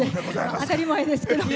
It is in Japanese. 当たり前ですけど。